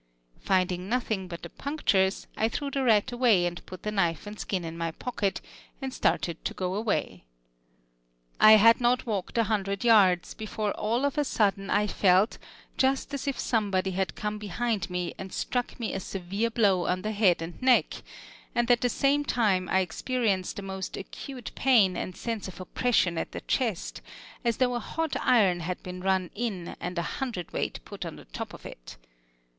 Finding nothing but the punctures, I threw the rat away and put the knife and skin in my pocket, and started to go away. I had not walked a hundred yards before all of a sudden I felt just as if somebody had come behind me and struck me a severe blow on the head and neck, and at the same time I experienced a most acute pain and sense of oppression at the chest, as though a hot iron had been run in and a hundred weight put on the top of it.